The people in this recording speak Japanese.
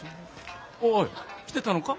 おっ来てたのか。